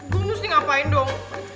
terus ini ngapain dong